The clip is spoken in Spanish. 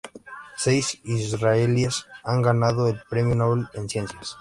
Seis israelíes han ganado el Premio Nobel en Ciencias.